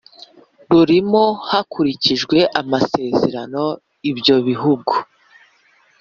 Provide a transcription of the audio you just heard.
rurimo hakurikijwe amasezerano ibyo bihugu